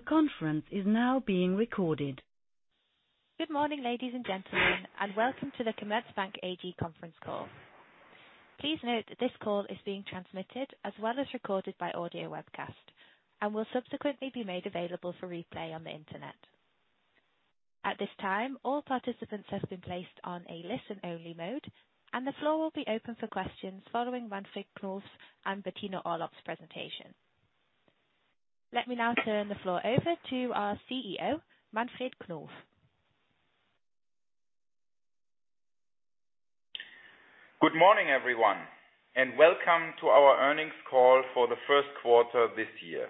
Good morning, ladies and gentlemen, welcome to the Commerzbank AG conference call. Please note that this call is being transmitted as well as recorded by audio webcast and will subsequently be made available for replay on the internet. At this time, all participants have been placed on a listen-only mode, and the floor will be open for questions following Manfred Knof and Bettina Orlopp's presentation. Let me now turn the floor over to our CEO, Manfred Knof. Good morning, everyone. Welcome to our earnings call for the first quarter of this year.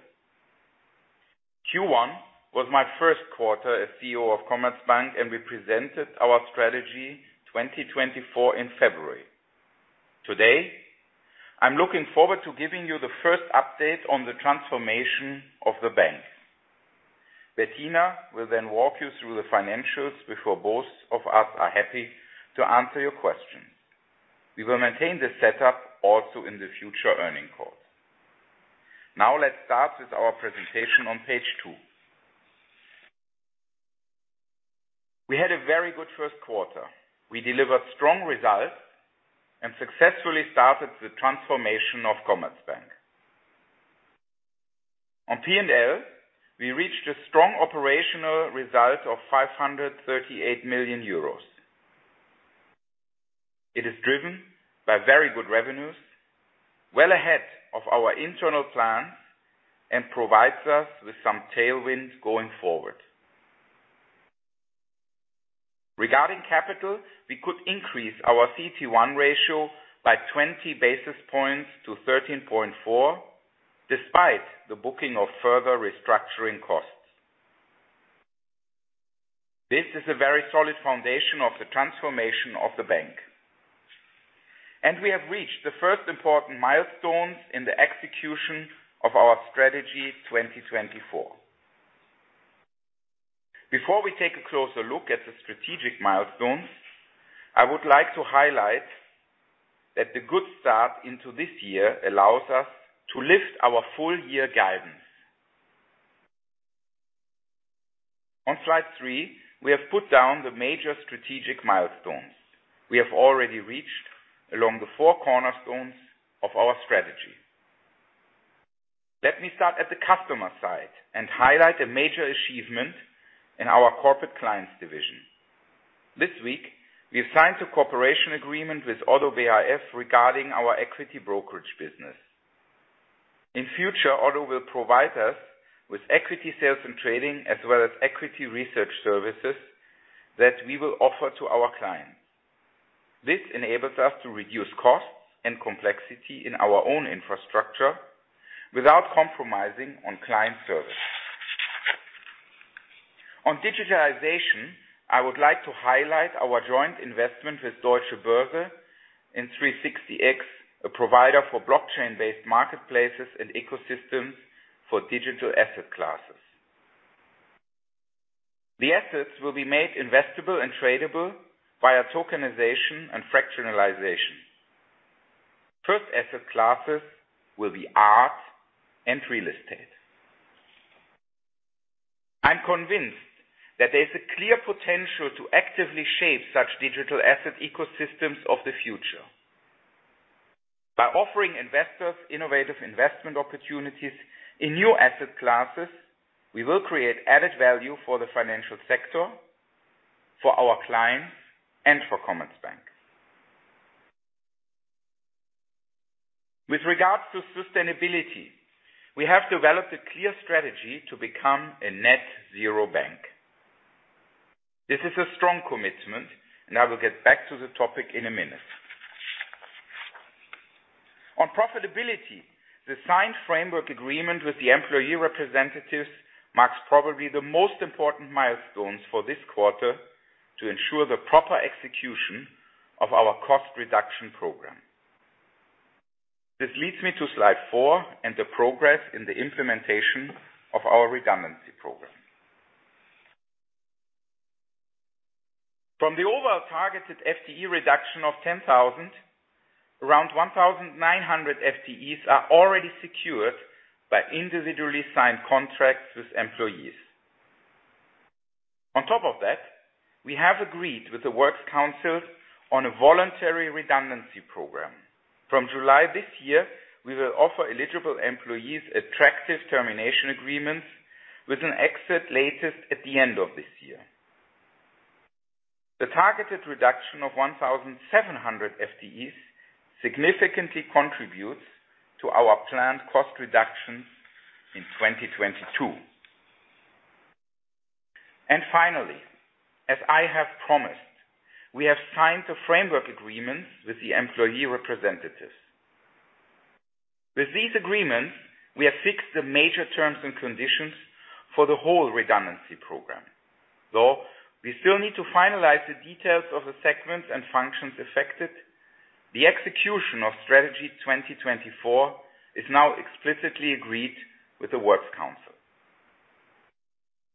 Q1 was my first quarter as CEO of Commerzbank. We presented our Strategy 2024 in February. Today, I'm looking forward to giving you the first update on the transformation of the bank. Bettina will then walk you through the financials before both of us are happy to answer your questions. We will maintain this setup also in the future earnings calls. Now let's start with our presentation on page two. We had a very good first quarter. We delivered strong results and successfully started the transformation of Commerzbank. On P&L, we reached a strong operational result of 538 million euros. It is driven by very good revenues, well ahead of our internal plans, and provides us with some tailwinds going forward. Regarding capital, we could increase our CET1 ratio by 20 basis points to 13.4, despite the booking of further restructuring costs. This is a very solid foundation of the transformation of the bank. We have reached the first important milestones in the execution of our Strategy 2024. Before we take a closer look at the strategic milestones, I would like to highlight that the good start into this year allows us to lift our full year guidance. On slide three, we have put down the major strategic milestones we have already reached along the four cornerstones of our strategy. Let me start at the customer side and highlight a major achievement in our Corporate Clients division. This week, we signed a cooperation agreement with ODDO BHF regarding our equity brokerage business. In future, ODDO will provide us with equity sales and trading, as well as equity research services that we will offer to our clients. This enables us to reduce costs and complexity in our own infrastructure without compromising on client service. On digitalization, I would like to highlight our joint investment with Deutsche Börse and 360X, a provider for blockchain-based marketplaces and ecosystems for digital asset classes. The assets will be made investable and tradable via tokenization and fractionalization. First asset classes will be art and real estate. I'm convinced that there is a clear potential to actively shape such digital asset ecosystems of the future. By offering investors innovative investment opportunities in new asset classes, we will create added value for the financial sector, for our clients, and for Commerzbank. With regards to sustainability, we have developed a clear strategy to become a net zero bank. This is a strong commitment, and I will get back to the topic in a minute. On profitability, the signed framework agreement with the employee representatives marks probably the most important milestones for this quarter to ensure the proper execution of our cost reduction program. This leads me to slide four and the progress in the implementation of our redundancy program. From the overall targeted FTE reduction of 10,000, around 1,900 FTEs are already secured by individually signed contracts with employees. On top of that, we have agreed with the Works Council on a voluntary redundancy program. From July this year, we will offer eligible employees attractive termination agreements with an exit latest at the end of this year. The targeted reduction of 1,700 FTEs significantly contributes to our planned cost reductions in 2022. Finally, as I have promised, we have signed the framework agreements with the employee representatives. With these agreements, we have fixed the major terms and conditions for the whole redundancy program. Though we still need to finalize the details of the segments and functions affected, the execution of Strategy 2024 is now explicitly agreed with the Works Council.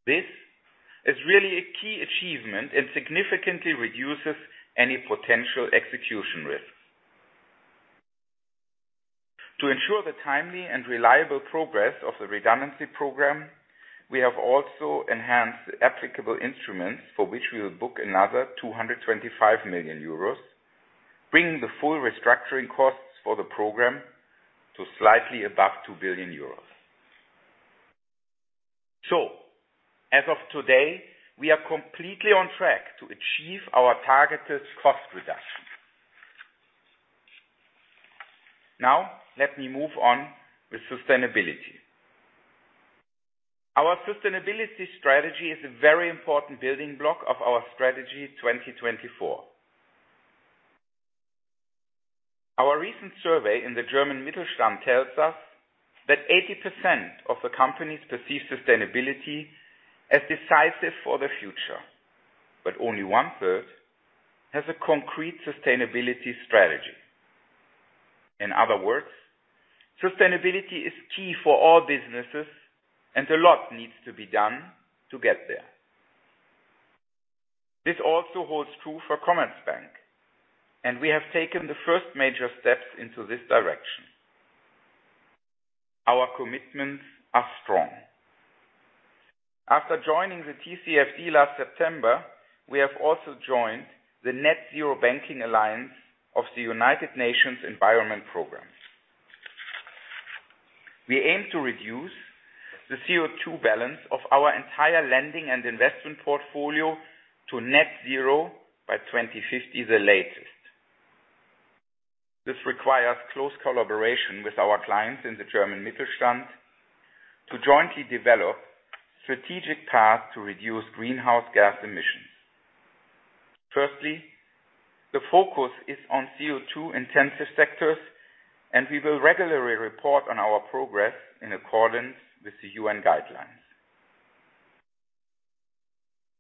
This is really a key achievement and significantly reduces any potential execution risk. To ensure the timely and reliable progress of the redundancy program, we have also enhanced the applicable instruments for which we will book another 225 million euros, bringing the full restructuring costs for the program to slightly above 2 billion euros. As of today, we are completely on track to achieve our targeted cost reduction. Let me move on with sustainability. Our sustainability strategy is a very important building block of our Strategy 2024. Our recent survey in the German Mittelstand tells us that 80% of the companies perceive sustainability as decisive for the future, but only one-third has a concrete sustainability strategy. In other words, sustainability is key for all businesses and a lot needs to be done to get there. This also holds true for Commerzbank, and we have taken the first major steps into this direction. Our commitments are strong. After joining the TCFD last September, we have also joined the Net-Zero Banking Alliance of the United Nations Environment Programme. We aim to reduce the CO2 balance of our entire lending and investment portfolio to net zero by 2050, the latest. This requires close collaboration with our clients in the German Mittelstand to jointly develop strategic paths to reduce greenhouse gas emissions. Firstly, the focus is on CO2-intensive sectors, and we will regularly report on our progress in accordance with the UN guidelines.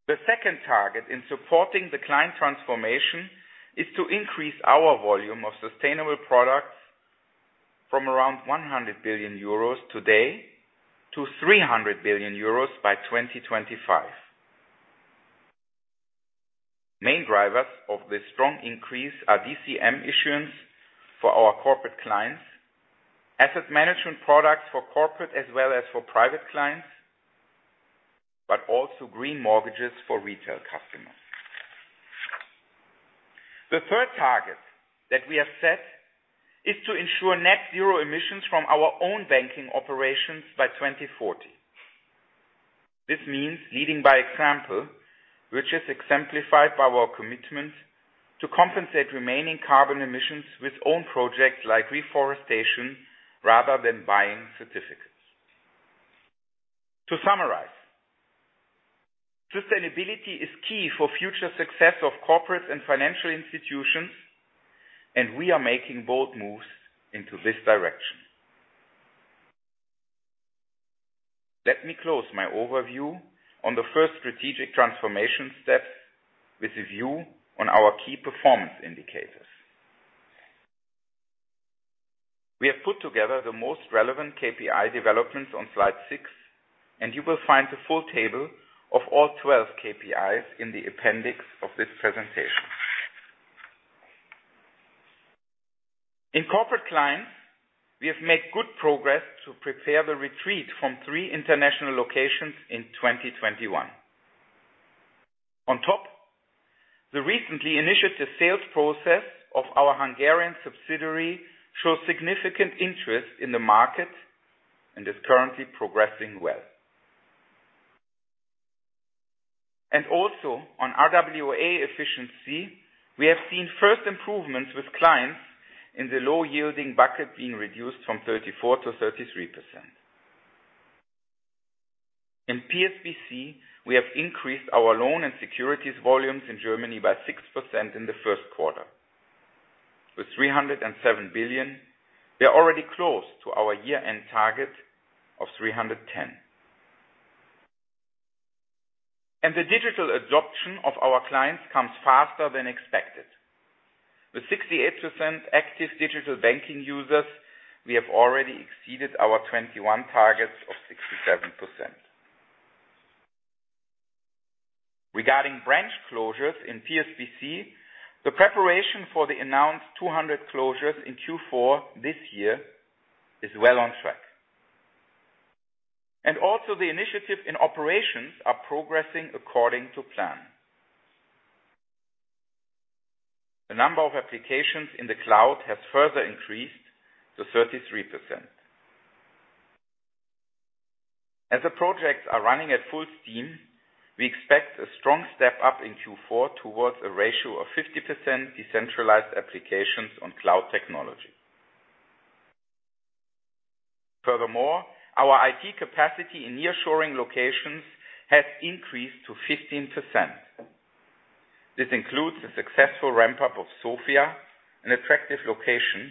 The second target in supporting the client transformation is to increase our volume of sustainable products from around 100 billion euros today to 300 billion euros by 2025. Main drivers of this strong increase are DCM issuance for our Corporate Clients, asset management products for corporate as well as for private clients, but also green mortgages for retail customers. The third target that we have set is to ensure net zero emissions from our own banking operations by 2040. This means leading by example, which is exemplified by our commitment to compensate remaining carbon emissions with own projects like reforestation rather than buying certificates. To summarize, sustainability is key for future success of corporate and financial institutions, and we are making bold moves into this direction. Let me close my overview on the first strategic transformation steps with a view on our key performance indicators. We have put together the most relevant KPI developments on slide six. You will find the full table of all 12 KPIs in the appendix of this presentation. In Corporate Clients, we have made good progress to prepare the retreat from three international locations in 2021. On top, the recently initiated sales process of our Hungarian subsidiary shows significant interest in the market and is currently progressing well. Also on RWA efficiency, we have seen first improvements with clients in the low-yielding bucket being reduced from 34%-33%. In PSBC, we have increased our loan and securities volumes in Germany by 6% in the first quarter. With 307 billion, we are already close to our year-end target of 310 billion. The digital adoption of our clients comes faster than expected. With 68% active digital banking users, we have already exceeded our 2021 targets of 67%. Regarding branch closures in PSBC, the preparation for the announced 200 closures in Q4 this year is well on track. Also the initiative in operations are progressing according to plan. The number of applications in the cloud has further increased to 33%. As the projects are running at full steam, we expect a strong step-up in Q4 towards a ratio of 50% decentralized applications on cloud technology. Furthermore, our IT capacity in nearshoring locations has increased to 15%. This includes the successful ramp-up of Sofia, an attractive location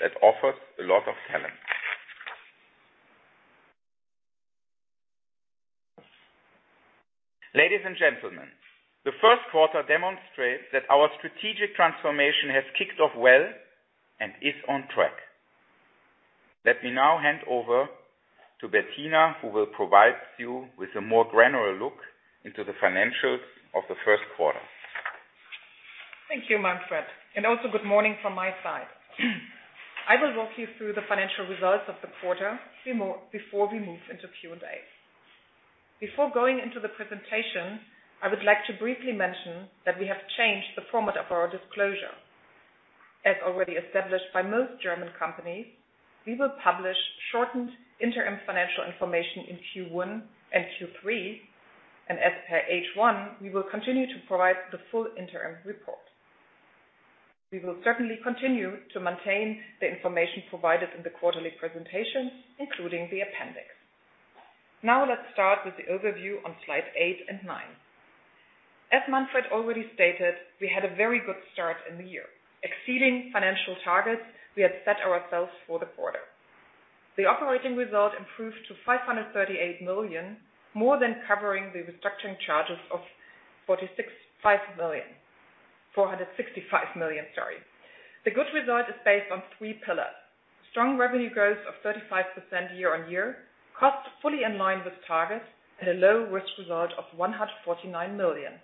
that offers a lot of talent. Ladies and gentlemen, the first quarter demonstrates that our strategic transformation has kicked off well and is on track. Let me now hand over to Bettina, who will provide you with a more granular look into the financials of the first quarter. Thank you, Manfred, and also good morning from my side. I will walk you through the financial results of the quarter before we move into Q&A. Before going into the presentation, I would like to briefly mention that we have changed the format of our disclosure. As already established by most German companies, we will publish shortened interim financial information in Q1 and Q3, and as per H1, we will continue to provide the full interim report. We will certainly continue to maintain the information provided in the quarterly presentation, including the appendix. Let's start with the overview on slide eight and nine. As Manfred already stated, we had a very good start in the year, exceeding financial targets we had set ourselves for the quarter. The operating result improved to 538 million, more than covering the restructuring charges of 465 million. The good result is based on three pillars: strong revenue growth of 35% year on year, costs fully in line with targets, and a low risk result of 149 million.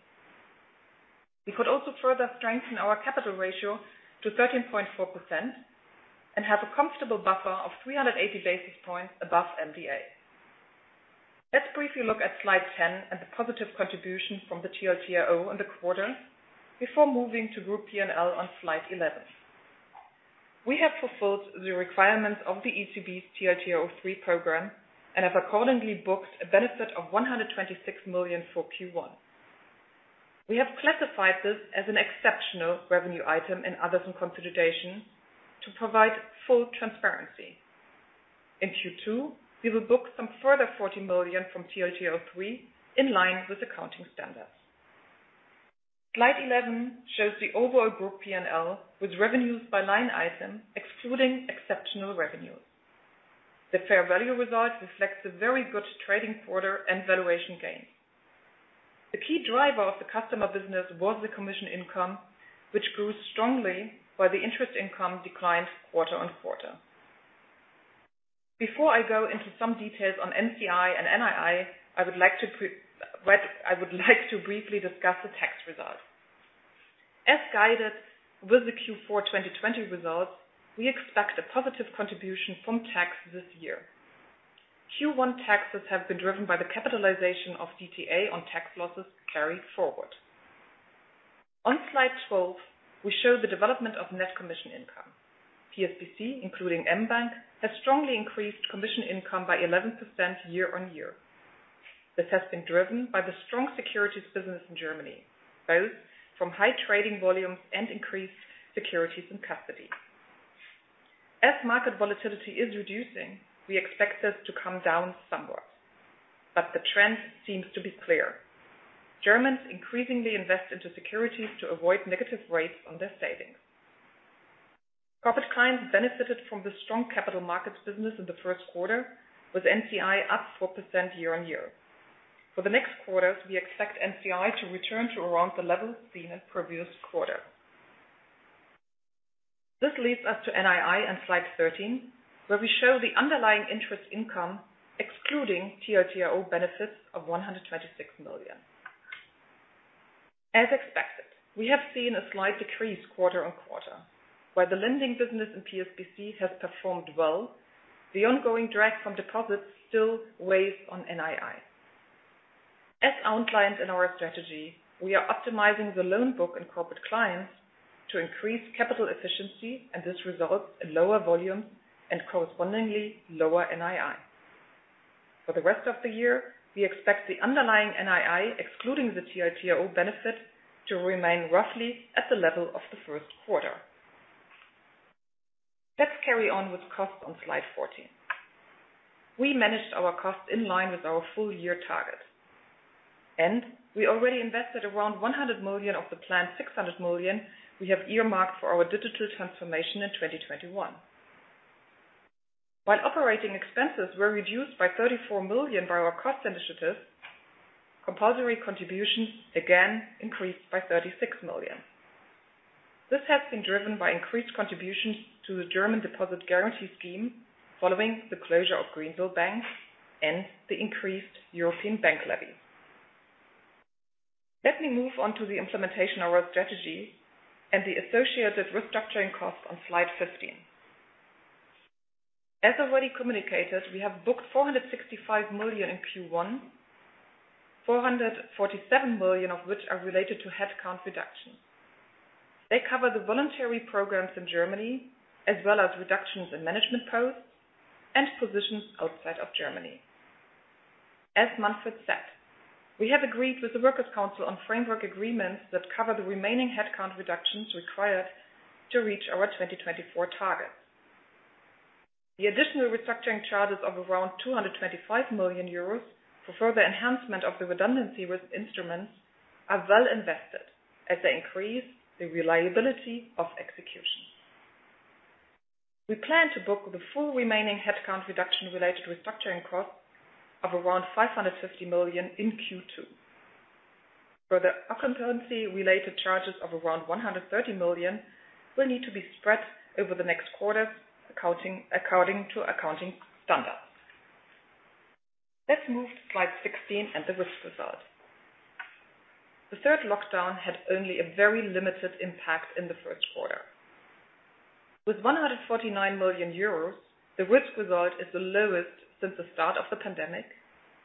We could also further strengthen our capital ratio to 13.4% and have a comfortable buffer of 380 basis points above MDA. Let's briefly look at slide 10 and the positive contribution from the TLTRO in the quarter before moving to group P&L on slide 11. We have fulfilled the requirements of the ECB's TLTRO3 program and have accordingly booked a benefit of 126 million for Q1. We have classified this as an exceptional revenue item in Others and Consolidation to provide full transparency. In Q2, we will book some further 40 million from TLTRO3, in line with accounting standards. Slide 11 shows the overall group P&L with revenues by line item excluding exceptional revenues. The fair value result reflects a very good trading quarter and valuation gain. The key driver of the customer business was the commission income, which grew strongly while the interest income declined quarter-on-quarter. Before I go into some details on NCI and NII, I would like to briefly discuss the tax result. As guided with the Q4 2020 results, we expect a positive contribution from tax this year. Q1 taxes have been driven by the capitalization of DTA on tax losses carried forward. On slide 12, we show the development of net commission income. PSBC, including mBank, has strongly increased commission income by 11% year-on-year. This has been driven by the strong securities business in Germany, both from high trading volumes and increased securities in custody. As market volatility is reducing, we expect this to come down somewhat, but the trend seems to be clear. Germans increasingly invest into securities to avoid negative rates on their savings. Corporate Clients benefited from the strong capital markets business in the first quarter, with NCI up 4% year-on-year. For the next quarters, we expect NCI to return to around the levels seen in previous quarters. This leads us to NII on slide 13, where we show the underlying interest income excluding TLTRO benefits of 126 million. As expected, we have seen a slight decrease quarter-on-quarter. While the lending business in PSBC has performed well, the ongoing drag from deposits still weighs on NII. As outlined in our Strategy, we are optimizing the loan book and Corporate Clients to increase capital efficiency and this results in lower volume and correspondingly lower NII. For the rest of the year, we expect the underlying NII, excluding the TLTRO benefit, to remain roughly at the level of the first quarter. Let's carry on with cost on slide 14. We managed our cost in line with our full-year target, and we already invested around 100 million of the planned 600 million we have earmarked for our digital transformation in 2021. While operating expenses were reduced by 34 million by our cost initiatives, compulsory contributions again increased by 36 million. This has been driven by increased contributions to the German deposit guarantee scheme following the closure of Greensill Bank and the increased European bank levy. Let me move on to the implementation of our strategy and the associated restructuring costs on slide 15. As already communicated, we have booked 465 million in Q1, 447 million of which are related to headcount reduction. They cover the voluntary programs in Germany as well as reductions in management posts and positions outside of Germany. As Manfred said, we have agreed with the Works Council on framework agreements that cover the remaining headcount reductions required to reach our 2024 targets. The additional restructuring charges of around 225 million euros for further enhancement of the redundancy risk instruments are well invested as they increase the reliability of execution. We plan to book the full remaining headcount reduction related restructuring costs of around 550 million in Q2. Further occupancy-related charges of around 130 million will need to be spread over the next quarter according to accounting standards. Let's move to slide 16 and the risk result. The third lockdown had only a very limited impact in the first quarter. With 149 million euros, the risk result is the lowest since the start of the pandemic,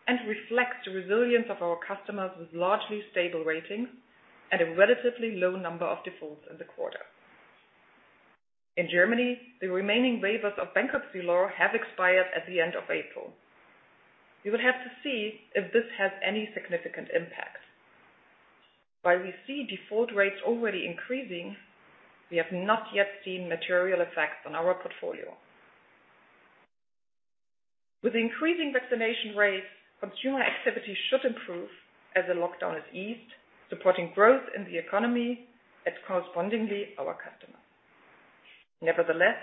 and reflects the resilience of our customers with largely stable ratings and a relatively low number of defaults in the quarter. In Germany, the remaining waivers of bankruptcy law have expired at the end of April. We will have to see if this has any significant impact. While we see default rates already increasing, we have not yet seen material effects on our portfolio. With increasing vaccination rates, consumer activity should improve as the lockdown is eased, supporting growth in the economy and correspondingly our customers. Nevertheless,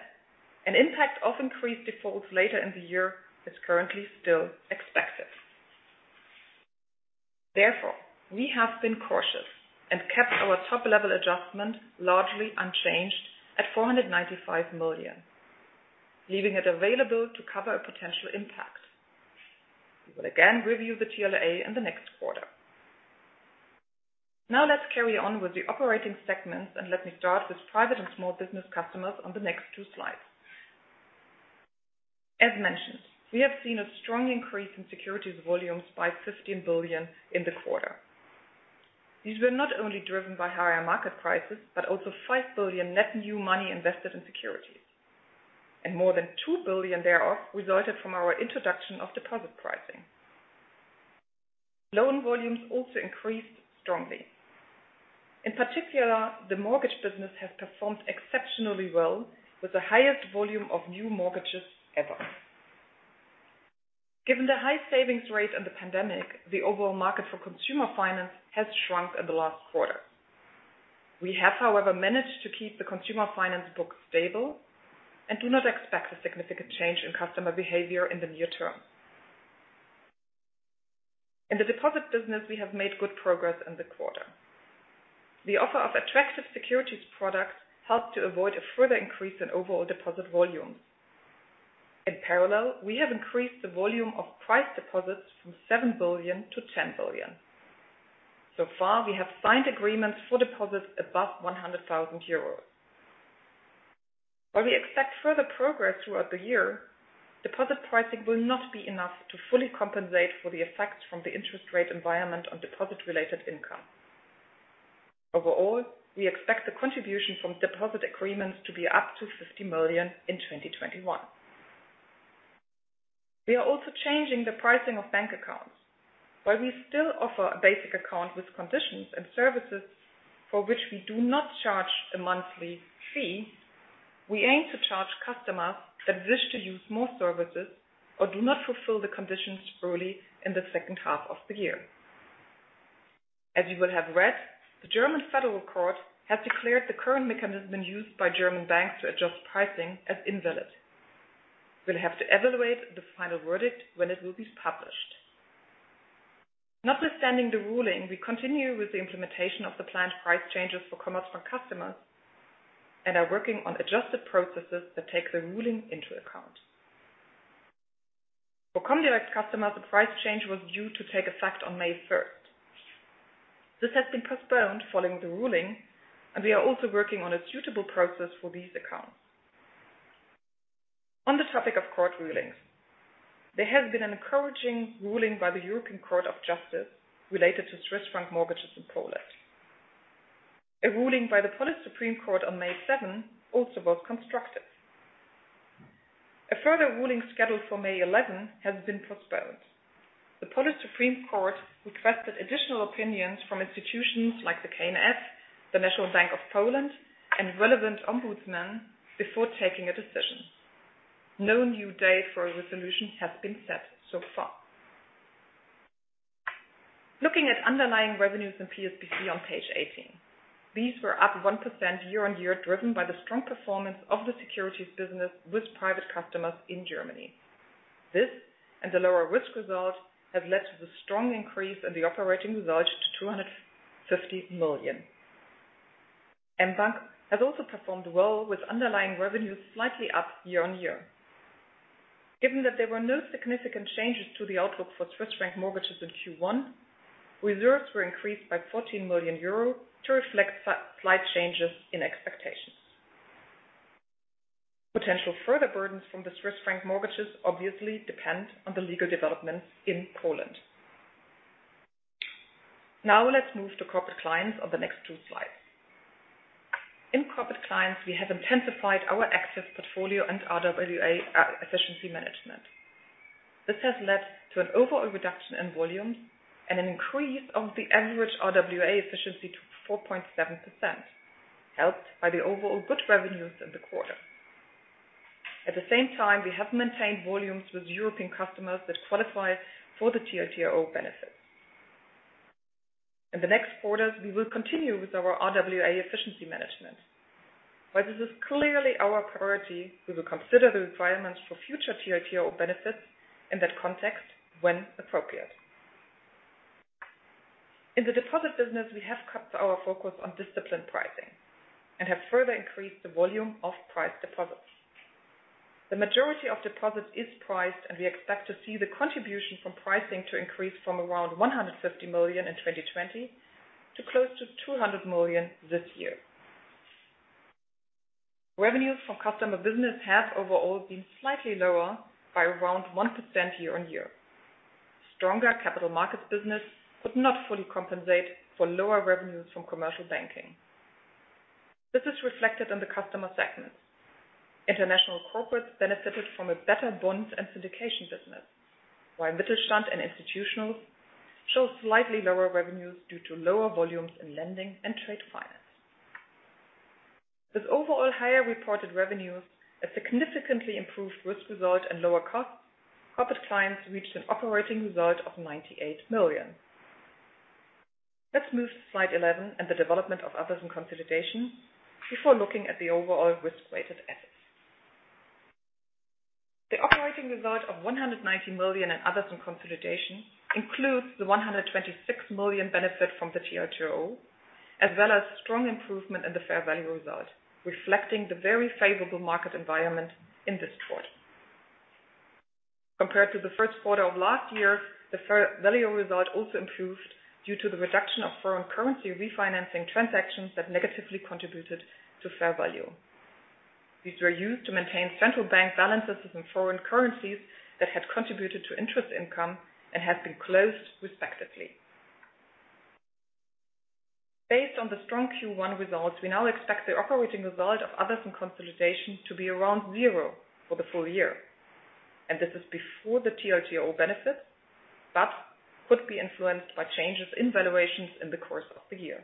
an impact of increased defaults later in the year is currently still expected. Therefore, we have been cautious and kept our top-level adjustment largely unchanged at 495 million, leaving it available to cover a potential impact. We will again review the TLA in the next quarter. Now let's carry on with the operating segments. Let me start with Private and Small-Business Customers on the next two slides. As mentioned, we have seen a strong increase in securities volumes by 15 billion in the quarter. These were not only driven by higher market prices, but also 5 billion net new money invested in securities. More than 2 billion thereof resulted from our introduction of deposit pricing. Loan volumes also increased strongly. In particular, the mortgage business has performed exceptionally well with the highest volume of new mortgages ever. Given the high savings rate in the pandemic, the overall market for consumer finance has shrunk in the last quarter. We have, however, managed to keep the consumer finance book stable and do not expect a significant change in customer behavior in the near term. In the deposit business, we have made good progress in the quarter. The offer of attractive securities products helped to avoid a further increase in overall deposit volumes. In parallel, we have increased the volume of price deposits from 7 billion to 10 billion. We have signed agreements for deposits above 100,000 euros. While we expect further progress throughout the year, deposit pricing will not be enough to fully compensate for the effects from the interest rate environment on deposit-related income. Overall, we expect the contribution from deposit agreements to be up to 50 million in 2021. We are also changing the pricing of bank accounts. While we still offer a basic account with conditions and services for which we do not charge a monthly fee, we aim to charge customers that wish to use more services or do not fulfill the conditions early in the second half of the year. As you will have read, the German Federal Court has declared the current mechanism used by German banks to adjust pricing as invalid. We'll have to evaluate the final verdict when it will be published. Notwithstanding the ruling, we continue with the implementation of the planned price changes for Commerzbank customers and are working on adjusted processes that take the ruling into account. For Comdirect customers, the price change was due to take effect on May 1st. This has been postponed following the ruling. We are also working on a suitable process for these accounts. On the topic of court rulings, there has been an encouraging ruling by the European Court of Justice related to Swiss franc mortgages in Poland. A ruling by the Poland Supreme Court on May 7 also was constructive. A further ruling scheduled for May 11 has been postponed. The Poland Supreme Court requested additional opinions from institutions like the KNF, the National Bank of Poland, and relevant ombudsman before taking a decision. No new date for a resolution has been set so far. Looking at underlying revenues in PSBC on page 18. These were up 1% year-on-year, driven by the strong performance of the securities business with private customers in Germany. This and the lower risk result have led to the strong increase in the operating result to 250 million. mBank has also performed well with underlying revenues slightly up year-on-year. Given that there were no significant changes to the outlook for Swiss franc mortgages in Q1, reserves were increased by 14 million euros to reflect slight changes in expectations. Potential further burdens from the Swiss franc mortgages obviously depend on the legal developments in Poland. Now let's move to Corporate Clients on the next two slides. In Corporate Clients, we have intensified our excess portfolio and RWA efficiency management. This has led to an overall reduction in volumes and an increase of the average RWA efficiency to 4.7%, helped by the overall good revenues in the quarter. At the same time, we have maintained volumes with European customers that qualify for the TLTRO benefit. In the next quarters, we will continue with our RWA efficiency management. While this is clearly our priority, we will consider the requirements for future TLTRO benefits in that context when appropriate. In the deposit business, we have kept our focus on disciplined pricing and have further increased the volume of priced deposits. The majority of deposits is priced, and we expect to see the contribution from pricing to increase from around 150 million in 2020 to close to 200 million this year. Revenues from customer business have overall been slightly lower by around 1% year-on-year. Stronger capital markets business could not fully compensate for lower revenues from commercial banking. This is reflected in the customer segments. International corporates benefited from a better bonds and syndication business, while Mittelstand and institutionals show slightly lower revenues due to lower volumes in lending and trade finance. With overall higher reported revenues, a significantly improved risk result, and lower costs, Corporate Clients reached an operating result of 98 million. Let's move to slide 11 and the development of Others and Consolidation before looking at the overall risk-weighted assets. The operating result of 190 million in Others and Consolidation includes the 126 million benefit from the TLTRO, as well as strong improvement in the fair value result, reflecting the very favorable market environment in this quarter. Compared to the first quarter of last year, the fair value result also improved due to the reduction of foreign currency refinancing transactions that negatively contributed to fair value. These were used to maintain central bank balances in foreign currencies that had contributed to interest income and have been closed respectively. Based on the strong Q1 results, we now expect the operating result of others and consolidation to be around zero for the full year. This is before the TLTRO benefit, but could be influenced by changes in valuations in the course of the year.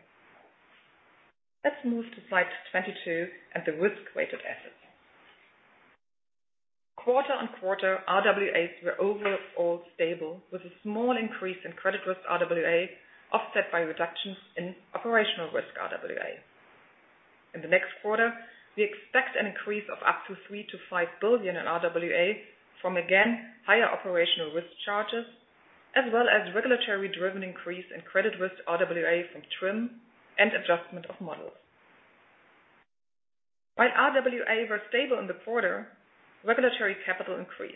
Let's move to slide 22 and the risk-weighted assets. Quarter-on-quarter, RWA were overall stable, with a small increase in credit risk RWA offset by reductions in operational risk RWA. In the next quarter, we expect an increase of up to 3 billion-5 billion in RWA from, again, higher operational risk charges, as well as regulatory-driven increase in credit risk RWA from TRIM and adjustment of models. While RWA were stable in the quarter, regulatory capital increased.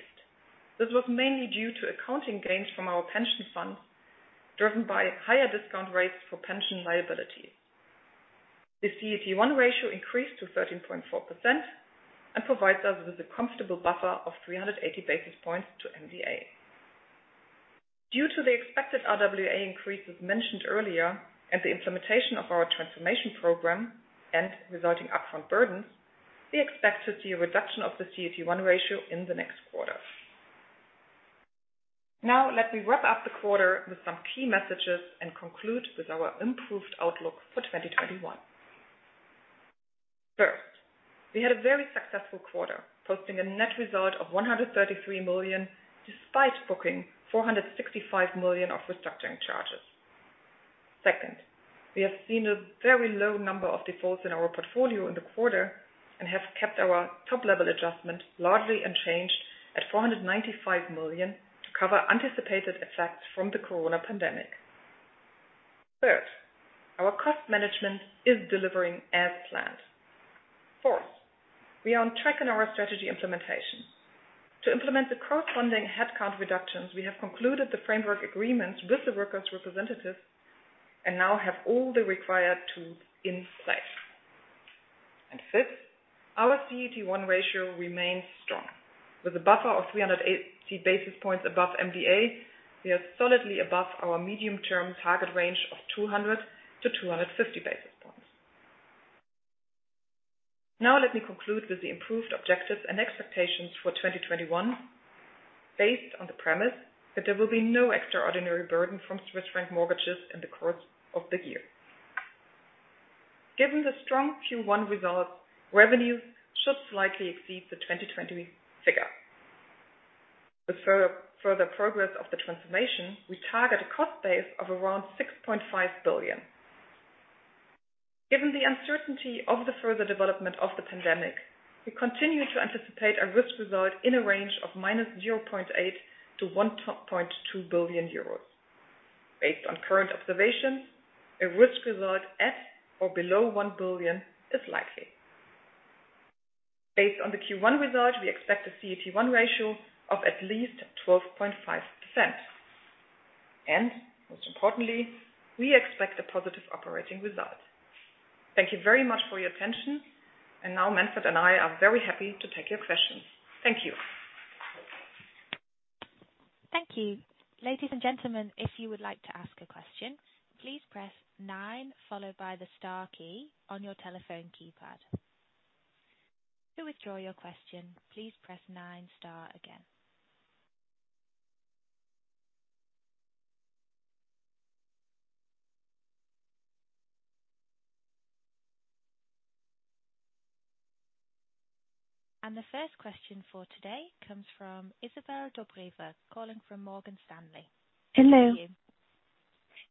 This was mainly due to accounting gains from our pension funds, driven by higher discount rates for pension liability. The CET1 ratio increased to 13.4% and provides us with a comfortable buffer of 380 basis points to MDA. Due to the expected RWA increases mentioned earlier and the implementation of our transformation program and resulting upfront burdens, we expect to see a reduction of the CET1 ratio in the next quarter. Let me wrap up the quarter with some key messages and conclude with our improved outlook for 2021. First, we had a very successful quarter, posting a net result of 133 million, despite booking 465 million of restructuring charges. Second, we have seen a very low number of defaults in our portfolio in the quarter and have kept our top-level adjustment largely unchanged at 495 million to cover anticipated effects from the COVID pandemic. Third, our cost management is delivering as planned. Fourth, we are on track in our strategy implementation. To implement the cross-funding headcount reductions, we have concluded the framework agreements with the Works Council and now have all the required tools in place. Fifth, our CET1 ratio remains strong. With a buffer of 380 basis points above MDA, we are solidly above our medium-term target range of 200-250 basis points. Now let me conclude with the improved objectives and expectations for 2021 based on the premise that there will be no extraordinary burden from Swiss franc mortgages in the course of the year. Given the strong Q1 results, revenues should slightly exceed the 2020 figure. With further progress of the transformation, we target a cost base of around 6.5 billion. Given the uncertainty of the further development of the pandemic, we continue to anticipate a risk result in a range of minus 0.8 billion to 1.2 billion euros. Based on current observations, a risk result at or below 1 billion is likely. Based on the Q1 result, we expect a CET1 ratio of at least 12.5%. Most importantly, we expect a positive operating result. Thank you very much for your attention. Now Manfred and I are very happy to take your questions. Thank you. Thank you. Ladies and gentlemen, if you would like to ask a question, please press nine followed by the star key on your telephone keypad. To withdraw your question, please press nine star again. The first question for today comes from Izabel Dobreva, calling from Morgan Stanley. Hello. Over to you.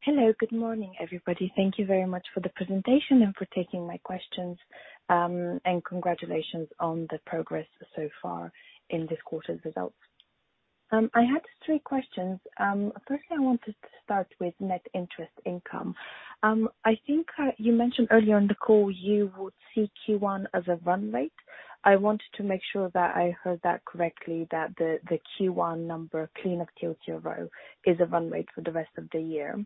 Hello. Good morning, everybody. Thank you very much for the presentation and for taking my questions, and congratulations on the progress so far in this quarter's results. I had three questions. Firstly, I wanted to start with net interest income. I think you mentioned earlier in the call you would see Q1 as a run rate. I wanted to make sure that I heard that correctly, that the Q1 number clean of TLTRO is a run rate for the rest of the year.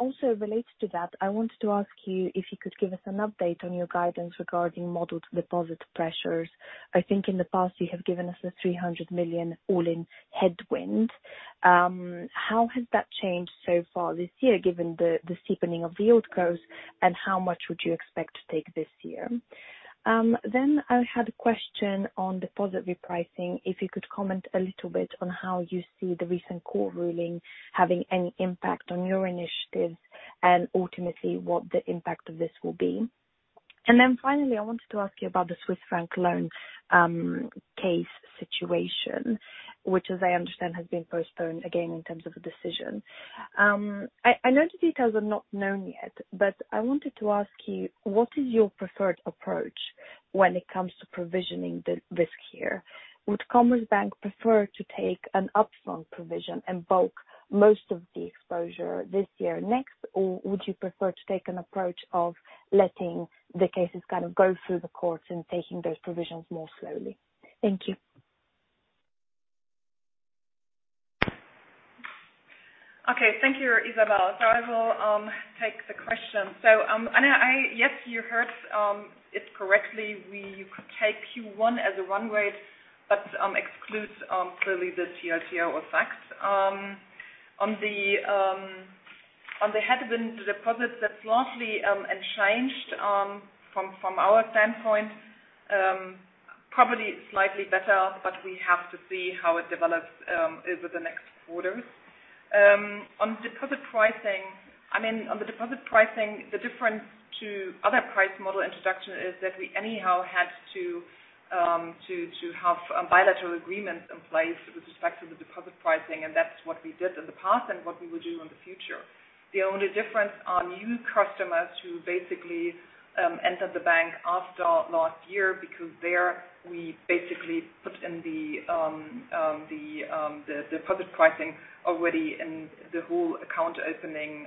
Also related to that, I wanted to ask you if you could give us an update on your guidance regarding modeled deposit pressures. I think in the past, you have given us a 300 million all-in headwind. How has that changed so far this year, given the steepening of the yield curves, and how much would you expect to take this year? I had a question on deposit repricing, if you could comment a little bit on how you see the recent core ruling having any impact on your initiatives, and ultimately what the impact of this will be. Finally, I wanted to ask you about the Swiss franc loan case situation, which as I understand, has been postponed again in terms of a decision. I know the details are not known yet, I wanted to ask you, what is your preferred approach when it comes to provisioning the risk here? Would Commerzbank prefer to take an upfront provision and bulk most of the exposure this year and next, or would you prefer to take an approach of letting the cases go through the courts and taking those provisions more slowly? Thank you. Okay. Thank you, Izabel. I will take the question. Yes, you heard it correctly. You could take Q1 as a run rate, but excludes clearly the TLTRO effects. On the headwind deposits, that's largely unchanged from our standpoint. Probably slightly better, but we have to see how it develops over the next quarters. On deposit pricing, the difference to other price model introduction is that we anyhow had to have bilateral agreements in place with respect to the deposit pricing, and that's what we did in the past and what we will do in the future. The only difference are new customers who basically entered the bank after last year, because there we basically put in the deposit pricing already in the whole account opening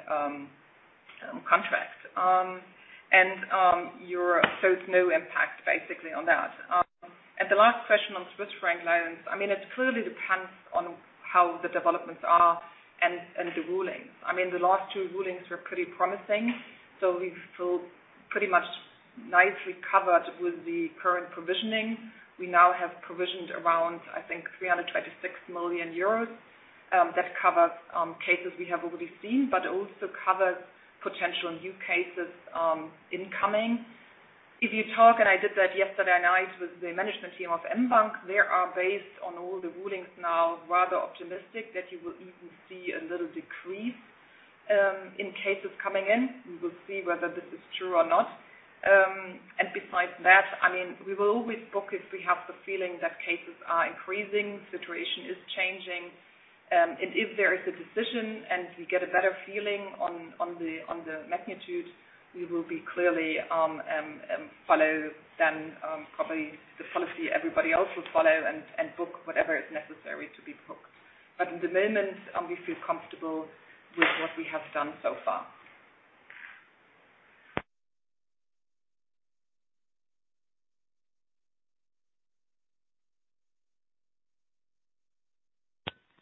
contract. It's no impact basically on that. The last question on Swiss franc loans, it clearly depends on how the developments are and the ruling. The last two rulings were pretty promising, so we feel pretty much nicely covered with the current provisioning. We now have provisioned around, I think, 326 million euros. That covers cases we have already seen, but also covers potential new cases incoming. If you talk, and I did that yesterday night with the management team of mBank, they are based on all the rulings now, rather optimistic that you will even see a little decrease in cases coming in. We will see whether this is true or not. Besides that, we will always book if we have the feeling that cases are increasing, situation is changing. If there is a decision and we get a better feeling on the magnitude, we will be clearly follow then probably the policy everybody else will follow and book whatever is necessary to be booked. At the moment, we feel comfortable with what we have done so far.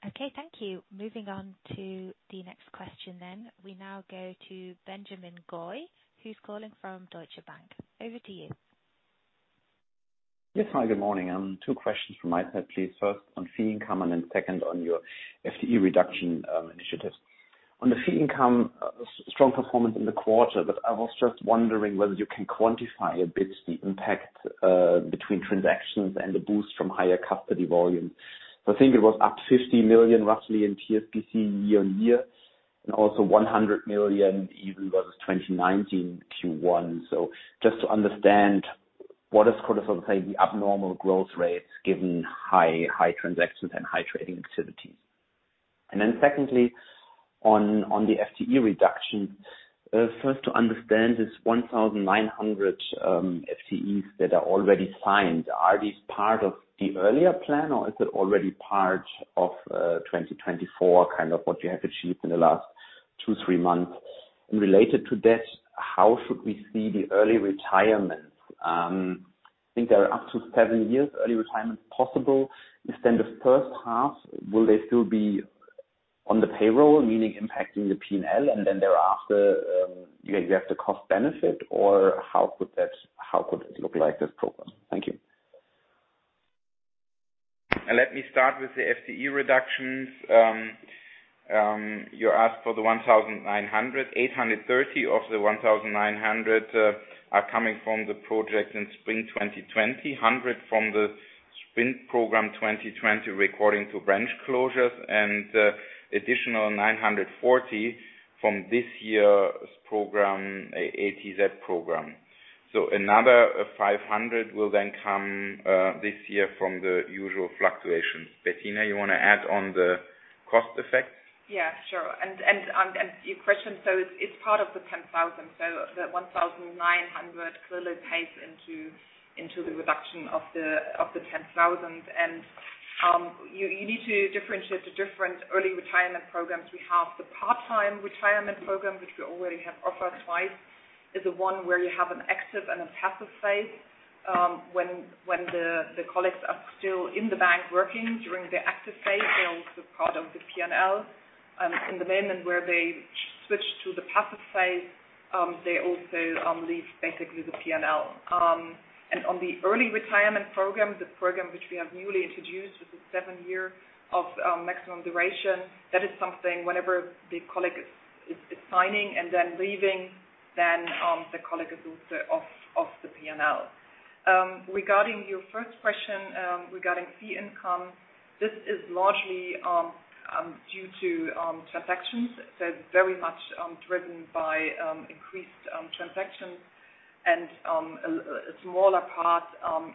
Okay, thank you. Moving on to the next question. We now go to Benjamin Goy, who's calling from Deutsche Bank. Over to you. Yes, hi, good morning. Two questions from my side, please. First, on fee income, then second on your FTE reduction initiatives. On the fee income, strong performance in the quarter, but I was just wondering whether you can quantify a bit the impact between transactions and the boost from higher custody volume. I think it was up 50 million roughly in PSBC year-on-year, also 100 million even versus 2019 Q1. Just to understand what is the abnormal growth rates given high transactions and high trading activities. Secondly, on the FTE reduction. First to understand this 1,900 FTEs that are already signed, are these part of the earlier plan, or is it already part of 2024, what you have achieved in the last two, three months? Related to that, how should we see the early retirements? I think there are up to seven years early retirement possible. Is the first half, will they still be on the payroll, meaning impacting the P&L, thereafter you have the cost benefit, or how could it look like, this program? Thank you. Let me start with the FTE reductions. You asked for the 1,900. 830 of the 1,900 are coming from the project in spring 2020, 100 from the Spin Program 2020 recording to branch closures and additional 940 from this year's ATZ program. Another 500 will then come this year from the usual fluctuations. Bettina, you want to add on the cost effect? Yeah, sure. Your question, so it's part of the 10,000. The 1,900 clearly plays into the reduction of the 10,000. You need to differentiate the different early retirement programs we have. The part-time retirement program, which we already have offered twice, is the one where you have an active and a passive phase. When the colleagues are still in the bank working during the active phase, they are also part of the P&L. In the moment where they switch to the passive phase, they also leave basically the P&L. On the early retirement program, the program which we have newly introduced with the seven-year of maximum duration. That is something whenever the colleague is signing and then leaving, then the colleague is also off the P&L. Regarding your first question regarding fee income, this is largely due to transactions. It's very much driven by increased transactions, and a smaller part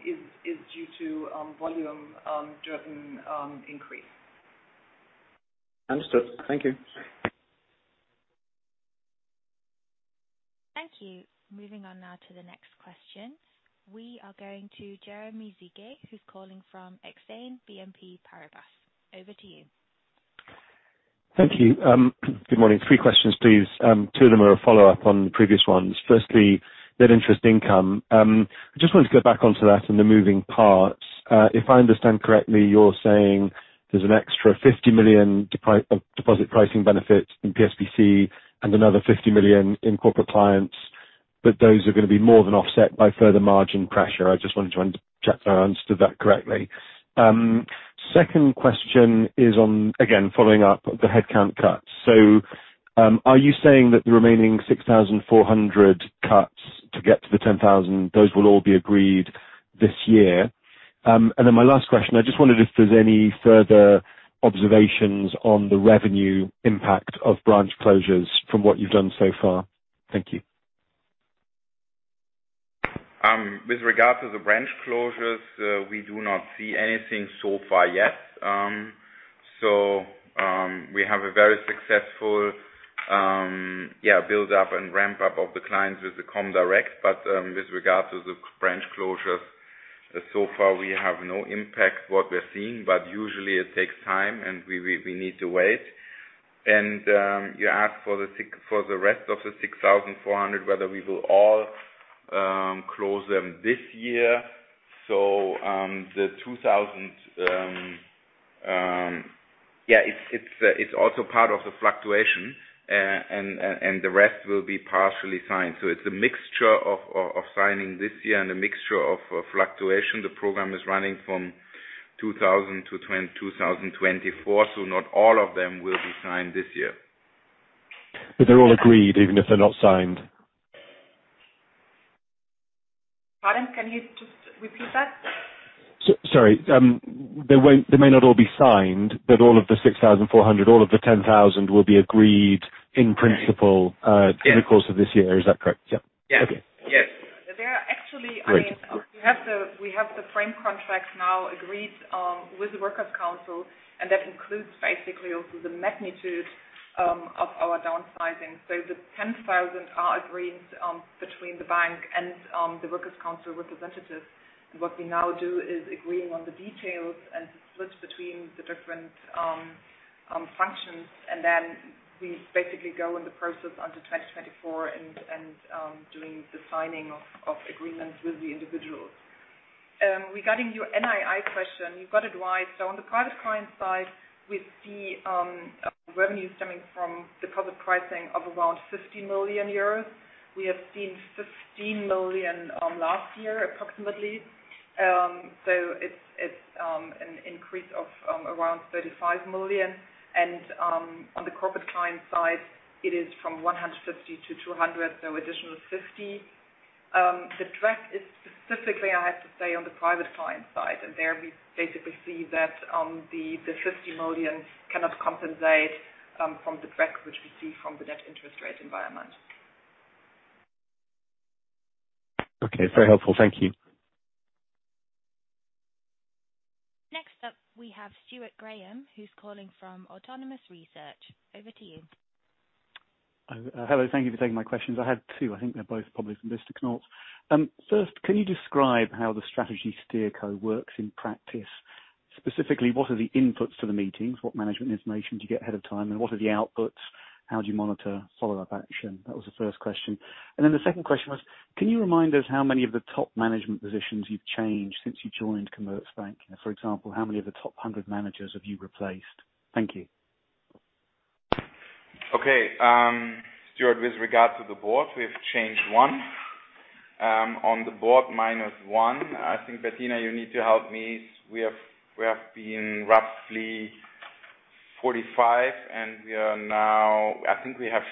is due to volume-driven increase. Understood. Thank you. Thank you. Moving on now to the next question. We are going to Jeremy Sigee, who is calling from Exane BNP Paribas. Over to you. Thank you. Good morning. Three questions, please. Two of them are a follow-up on previous ones. Firstly, net interest income. I just wanted to go back onto that and the moving parts. If I understand correctly, you're saying there's an extra 50 million deposit pricing benefit in PSBC and another 50 million in Corporate Clients, those are going to be more than offset by further margin pressure. I just wanted to check that I understood that correctly. Second question is on, again, following up the headcount cuts. Are you saying that the remaining 6,400 cuts to get to the 10,000, those will all be agreed this year? My last question, I just wondered if there's any further observations on the revenue impact of branch closures from what you've done so far. Thank you. With regard to the branch closures, we do not see anything so far yet. We have a very successful build-up and ramp-up of the clients with the comdirect. With regard to the branch closures, so far we have no impact what we're seeing, but usually it takes time and we need to wait. You ask for the rest of the 6,400, whether we will all close them this year. It's also part of the fluctuation, and the rest will be partially signed. It's a mixture of signing this year and a mixture of fluctuation. The program is running from 2000 to 2024, not all of them will be signed this year. They're all agreed, even if they're not signed. Pardon? Can you just repeat that? Sorry. They may not all be signed, but all of the 6,400, all of the 10,000 will be agreed in principle- Yes. in the course of this year. Is that correct? Yes. Okay. Yes. There are actually- Great. We have the frame contracts now agreed with the Works Council, and that includes basically also the magnitude of our downsizing. The 10,000 are agreed between the bank and the Works Council representatives. What we now do is agreeing on the details and the split between the different functions, we basically go in the process onto 2024 and doing the signing of agreements with the individuals. Regarding your NII question, you've got it right. On the private client side, we see revenue stemming from the deposit pricing of around 50 million euros. We have seen 15 million last year, approximately. It's an increase of around 35 million. On the corporate client side, it is from 150-200, additional 50. The track is specifically, I have to say, on the private client side. There we basically see that the 50 million cannot compensate from the drag which we see from the net interest rate environment. Okay. It's very helpful. Thank you. Next up, we have Stuart Graham, who's calling from Autonomous Research. Over to you. Hello. Thank you for taking my questions. I have two. I think they're both probably for Knof. First, can you describe how the strategy steer co works in practice? Specifically, what are the inputs to the meetings, what management information do you get ahead of time, and what are the outputs? How do you monitor follow-up action? That was the first question. The second question was, can you remind us how many of the top management positions you've changed since you joined Commerzbank? For example, how many of the top 100 managers have you replaced? Thank you. Okay. Stuart, with regard to the board, we have changed one. On the board, minus one. I think Bettina, you need to help me. We have been roughly 45 and we are now, I think we have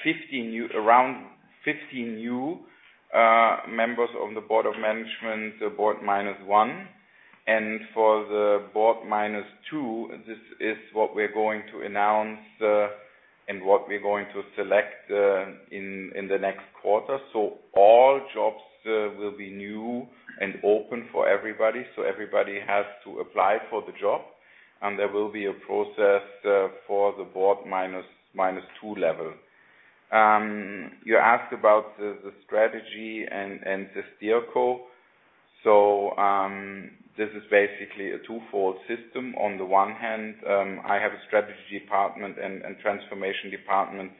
around 15 new members on the board of management, the board minus one. For the board minus two, this is what we're going to announce and what we're going to select in the next quarter. All jobs will be new and open for everybody, so everybody has to apply for the job. There will be a process for the board minus two level. You asked about the strategy and the steerco. This is basically a twofold system. On the one hand, I have a strategy department and transformation department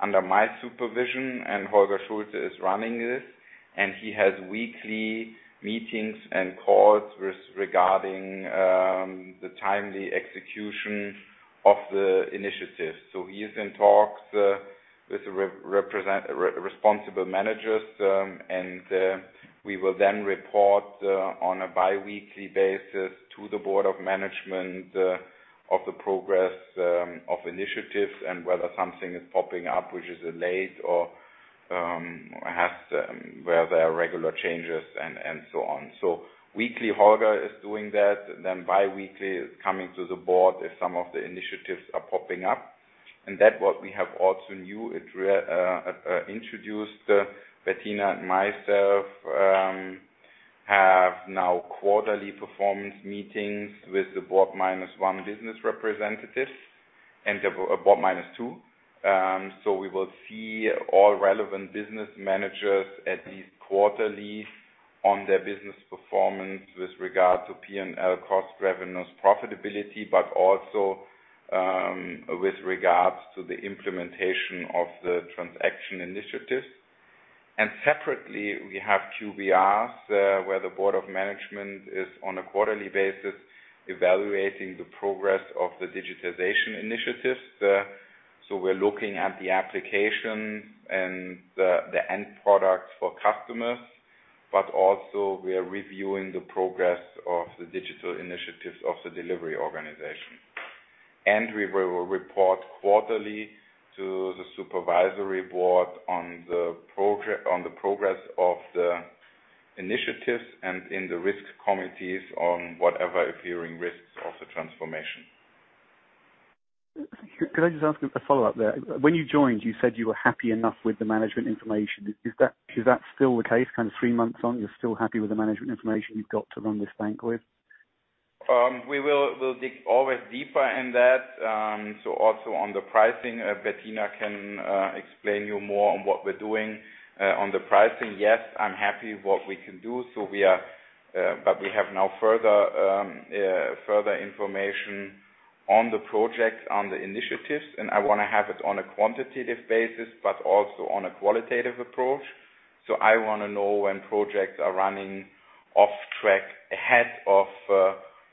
under my supervision. Holger Schulze is running this, and he has weekly meetings and calls regarding the timely execution of the initiative. He is in talks with responsible managers, and we will then report on a bi-weekly basis to the Board of Management of the progress of initiatives and whether something is popping up, which is delayed or where there are regular changes and so on. Weekly Holger is doing that, then bi-weekly is coming to the Board if some of the initiatives are popping up. That what we have also new introduced, Bettina and myself have now quarterly performance meetings with the Board minus one business representatives and the Board minus two. We will see all relevant business managers at least quarterly on their business performance with regard to P&L cost revenues profitability, also with regards to the implementation of the transaction initiatives. Separately, we have QBRs, where the board of management is on a quarterly basis evaluating the progress of the digitization initiatives. We're looking at the application and the end product for customers, also we are reviewing the progress of the digital initiatives of the delivery organization. We will report quarterly to the supervisory board on the progress of the initiatives and in the risk committees on whatever appearing risks of the transformation. Could I just ask a follow-up there? When you joined, you said you were happy enough with the management information. Is that still the case, kind of three months on, you're still happy with the management information you've got to run this bank with? We will dig always deeper in that. Also on the pricing, Bettina can explain you more on what we're doing on the pricing. Yes, I'm happy what we can do. We have now further information on the projects, on the initiatives, and I want to have it on a quantitative basis, but also on a qualitative approach. I want to know when projects are running off track ahead of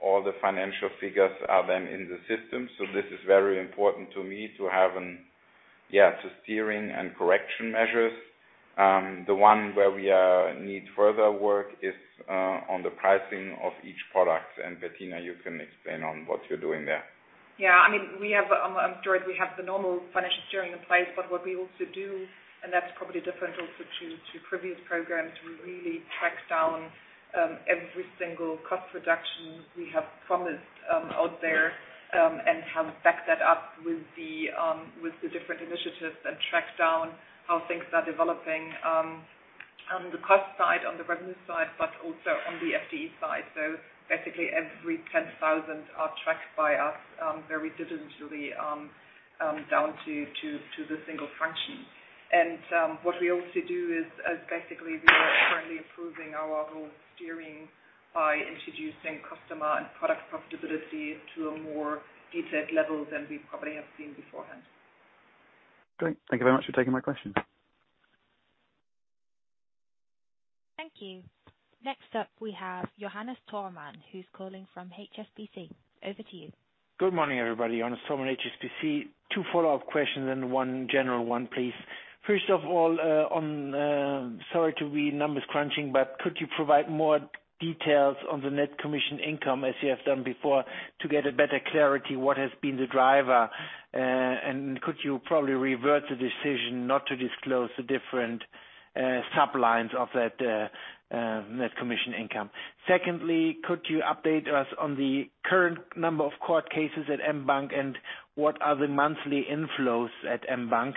all the financial figures are then in the system. This is very important to me to have steering and correction measures. The one where we need further work is on the pricing of each product. Bettina, you can explain on what you're doing there. I'm sure we have the normal financial steering in place, but what we also do, and that's probably different also to previous programs, we really track down every single cost reduction we have promised out there and have backed that up with the different initiatives and track down how things are developing on the cost side, on the revenue side, but also on the FTE side. Basically every 10,000 are tracked by us very digitally down to the single function. What we also do is basically we are currently improving our whole steering by introducing customer and product profitability to a more detailed level than we probably have seen beforehand. Great. Thank you very much for taking my question. Thank you. Next up, we have Johannes Thormann, who's calling from HSBC. Over to you. Good morning, everybody. Johannes, HSBC. Two follow-up questions and one general one, please. First of all, sorry to be numbers crunching, but could you provide more details on the net commission income as you have done before to get a better clarity, what has been the driver? Could you probably revert the decision not to disclose the different sub-lines of that net commission income? Secondly, could you update us on the current number of court cases at mBank and what are the monthly inflows at mBank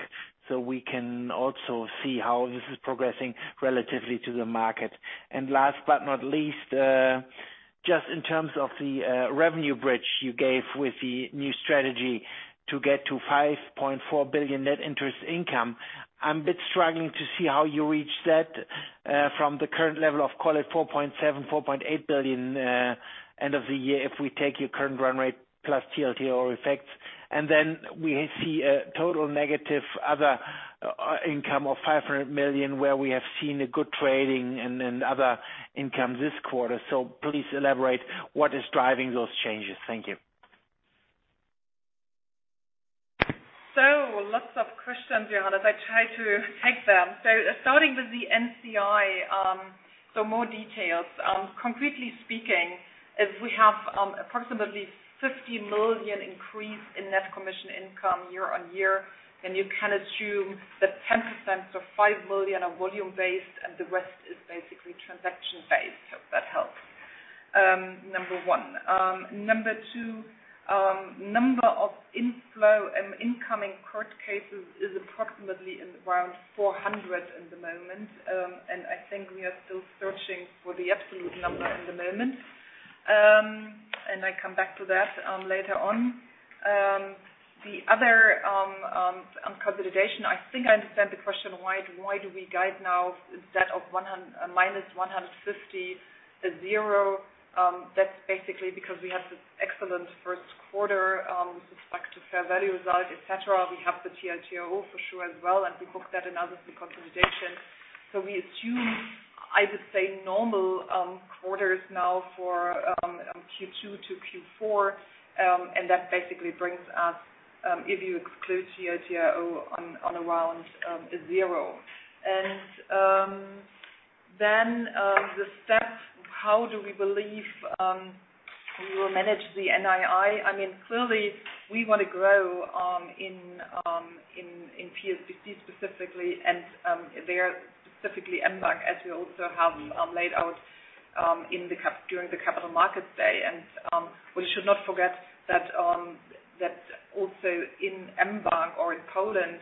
so we can also see how this is progressing relatively to the market? Last but not least, just in terms of the revenue bridge you gave with the new strategy to get to 5.4 billion net interest income, I'm a bit struggling to see how you reach that from the current level of call it 4.7 billion, 4.8 billion end of the year, if we take your current run rate plus TLTRO effects. Then we see a total negative other income of 500 million where we have seen a good trading and other income this quarter. Please elaborate what is driving those changes. Thank you. Lots of questions, Johannes, as I try to take them. Starting with the NCI, more details. Concretely speaking, as we have approximately 50 million increase in Net commission income year on year, then you can assume that 10%, 5 million, are volume-based and the rest is basically transaction-based. Hope that helps. Number one. Number two, number of inflow and incoming court cases is approximately around 400 at the moment. I think we are still searching for the absolute number at the moment. I come back to that later on. The other consolidation, I think I understand the question, why do we guide now instead of minus 150 to zero? That's basically because we had this excellent first quarter with respect to fair value result, et cetera. We have the TLTRO for sure as well, and we book that in as the consolidation. We assume, I would say normal quarters now for Q2 to Q4. That basically brings us, if you exclude TLTRO, on around zero. The steps, how do we believe we will manage the NII? Clearly we want to grow in PSBC specifically and there specifically mBank, as we also have laid out during the Capital Markets Day, and we should not forget that also in mBank or in Poland,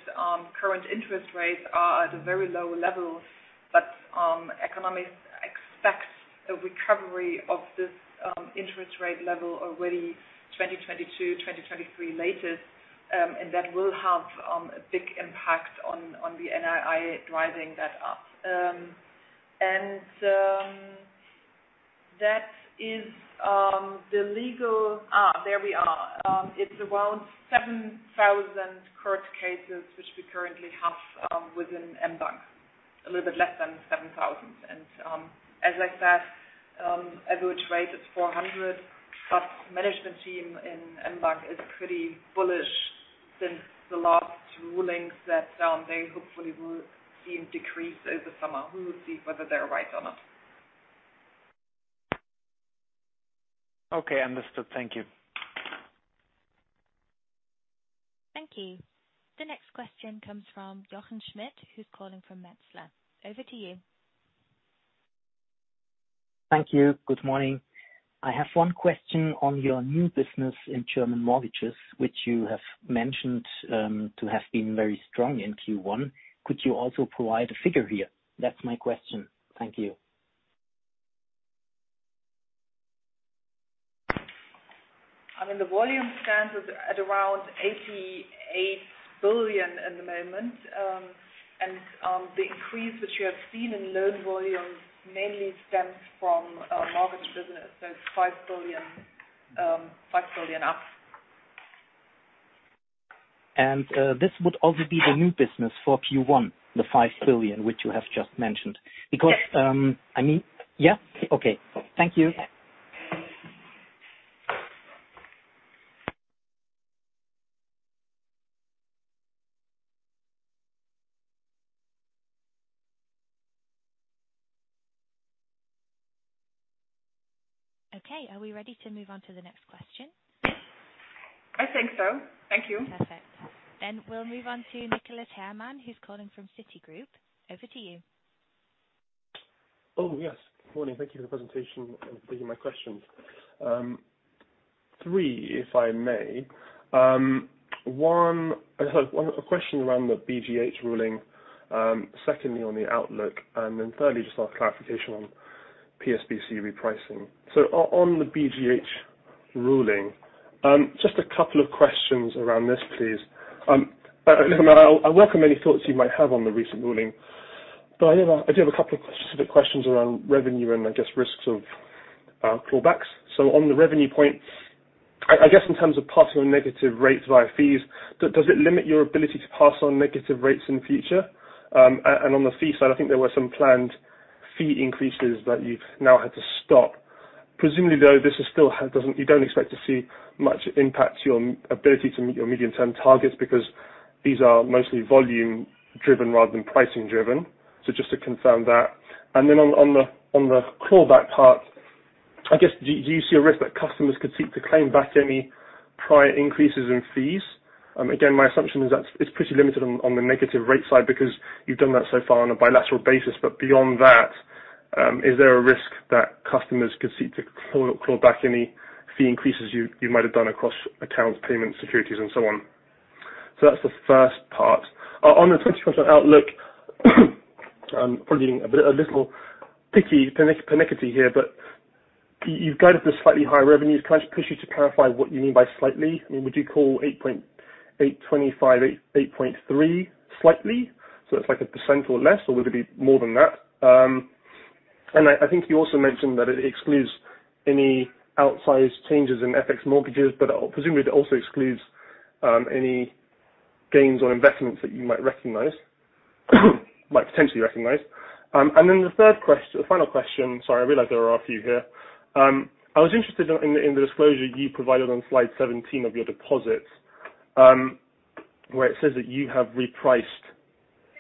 current interest rates are at a very low level, but economists expect a recovery of this interest rate level already 2022, 2023 latest, and that will have a big impact on the NII driving that up. That is, there we are. It's around 7,000 court cases, which we currently have within mBank. A little bit less than 7,000. As I said, average rate is 400 plus. Management team in mBank is pretty bullish since the last rulings that they hopefully will see a decrease over the summer. We will see whether they're right or not. Okay, understood. Thank you. Thank you. The next question comes from Jochen Schmitt who's calling from Metzler. Over to you. Thank you. Good morning. I have one question on your new business in German mortgages, which you have mentioned to have been very strong in Q1. Could you also provide a figure here? That's my question. Thank you. The volume stands at around 88 billion at the moment. The increase which you have seen in loan volumes mainly stems from our mortgage business. It's EUR 5 billion up. This would also be the new business for Q1, the 5 billion which you have just mentioned. Yes. Yeah? Okay. Thank you. Okay, are we ready to move on to the next question? I think so. Thank you. Perfect. We'll move on to Nicholas Herman who's calling from Citigroup. Over to you. Yes. Morning. Thank you for the presentation and for taking my questions. Three, if I may. One, a question around the BGH ruling, secondly on the outlook, thirdly, just a clarification on PSBC repricing. On the BGH ruling, just a couple of questions around this, please. I welcome any thoughts you might have on the recent ruling, but I do have a couple of specific questions around revenue and I guess risks of clawbacks. On the revenue point, I guess in terms of passing on negative rates via fees, does it limit your ability to pass on negative rates in the future? On the fee side, I think there were some planned fee increases that you've now had to stop. Presumably, you don't expect to see much impact to your ability to meet your medium-term targets because these are mostly volume driven rather than pricing driven. Just to confirm that. On the clawback part, I guess do you see a risk that customers could seek to claim back any prior increases in fees? Again, my assumption is that it's pretty limited on the negative rate side because you've done that so far on a bilateral basis. Beyond that, is there a risk that customers could seek to claw back any fee increases you might have done across accounts, payments, securities, and so on? That's the first part. On the 2020 outlook, probably being a little picky, pernickety here, you've guided the slightly higher revenues. Can I just push you to clarify what you mean by slightly? Would you call 8.825, 8.3 slightly? It's like a 1% or less, or would it be more than that? I think you also mentioned that it excludes any outsized changes in FX mortgages, but presumably it also excludes any gains or investments that you might recognize. Might potentially recognize. The final question, sorry, I realize there are a few here. I was interested in the disclosure you provided on slide 17 of your deposits, where it says that you have repriced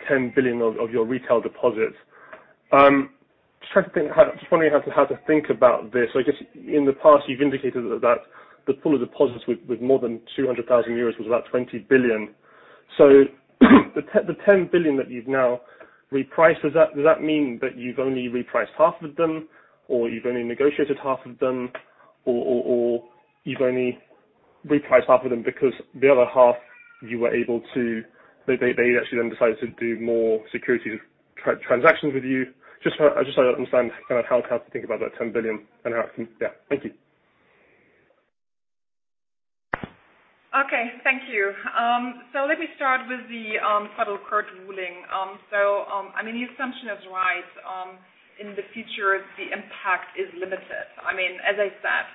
10 billion of your retail deposits. Just trying to think, just wondering how to think about this. I guess in the past, you've indicated that the pool of deposits with more than 200,000 euros was about 20 billion. The 10 billion that you've now repriced, does that mean that you've only repriced half of them, or you've only negotiated half of them, or you've only repriced half of them because the other half they'd actually then decided to do more securities transactions with you? I just want to understand how to think about that 10 billion. Yeah. Thank you. Okay. Thank you. Let me start with the Federal Court ruling. The assumption is right. In the future, the impact is limited. As I said,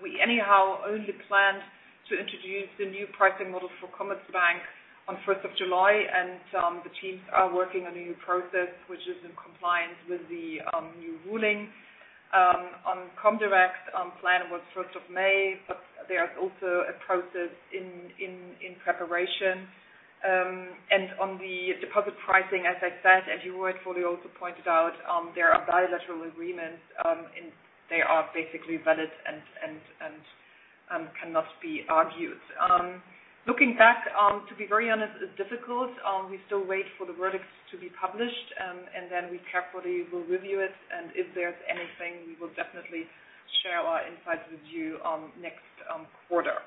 we anyhow only planned to introduce the new pricing model for Commerzbank on the July 1st, and the teams are working on a new process which is in compliance with the new ruling. On Comdirect, plan was May 1st, but there's also a process in preparation. On the deposit pricing, as I said, as you were fully also pointed out, there are bilateral agreements, and they are basically valid and cannot be argued. Looking back, to be very honest, it's difficult. We still wait for the verdicts to be published, and then we carefully will review it, and if there's anything, we will definitely share our insights with you next quarter.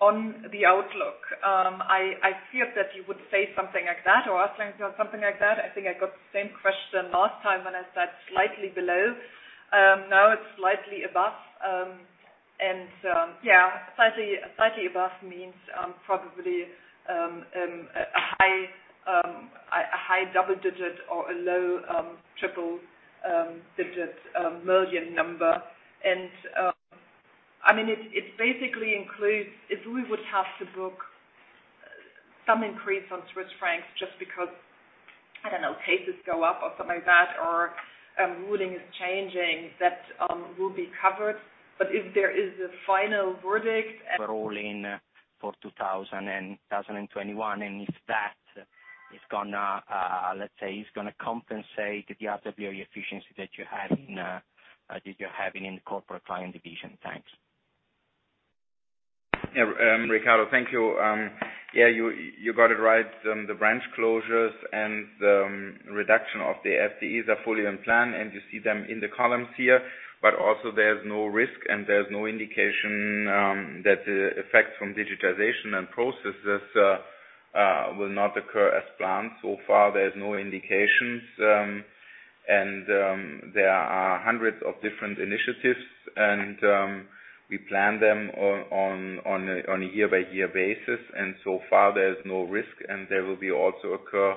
On the outlook, I feared that you would say something like that or ask something like that. I think I got the same question last time when I said slightly below. Now it's slightly above. Slightly above means probably a high double digit or a low triple digit million number. It basically includes if we would have to book some increase on Swiss francs just because, I don't know, cases go up or something like that, or ruling is changing, that will be covered. If there is a final verdict. Overall in for 2020 and 2021, if that is gonna, let's say, is gonna compensate the RWA efficiency that you're having in the Corporate Clients division? Thanks. Yeah, Ricardo, thank you. Yeah, you got it right. The branch closures and the reduction of the FTEs are fully on plan, and you see them in the columns here. Also there's no risk, and there's no indication that the effects from digitization and processes will not occur as planned. So far, there's no indications. There are hundreds of different initiatives, and we plan them on a year-by-year basis. So far, there's no risk, and they will be also occur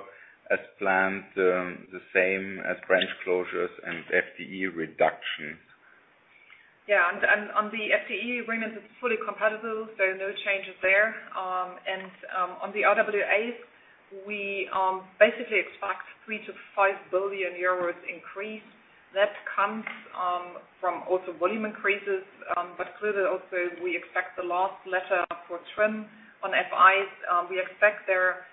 as planned, the same as branch closures and FTE reductions. Yeah. On the FTE arena, it's fully competitive. There are no changes there. On the RWAs, we basically expect 3 billion-5 billion euros increase. That comes from also volume increases. Clearly also, we expect the last letter for TRIM on FIs. We expect their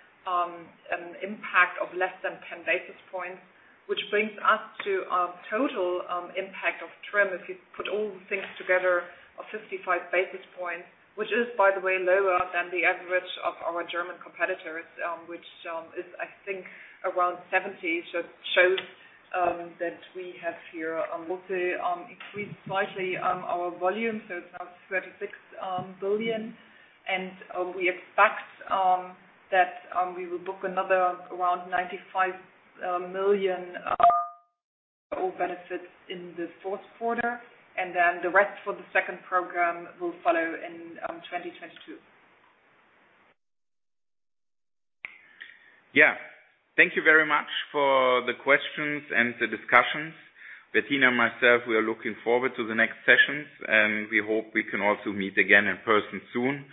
impact of less than 10 basis points, which brings us to a total impact of TRIM, if you put all the things together, of 55 basis points. Which is, by the way, lower than the average of our German competitors, which is, I think, around 70. It shows that we have here a multi-increase slightly our volume, so it's now 36 billion. We expect that we will book another around 95 million of benefits in the fourth quarter, and then the rest for the second program will follow in 2022. Yeah. Thank you very much for the questions and the discussions. Bettina and myself, we are looking forward to the next sessions, and we hope we can also meet again in person soon.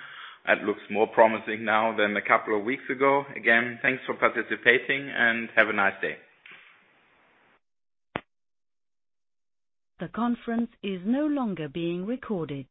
It looks more promising now than a couple of weeks ago. Again, thanks for participating, and have a nice day. The conference is no longer being recorded.